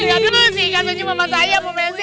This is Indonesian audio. aduh si ika senyum sama saya bu messi